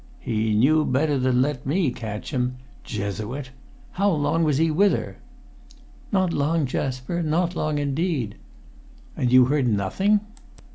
"He knew better than to let me catch him. Jesuit! How long was he with her?" "Not long, Jasper, not long indeed!" "And you heard nothing?"